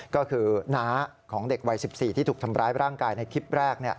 ก็คือน้าของเด็กวัย๑๔ที่ถูกทำร้ายร่างกายในคลิปแรก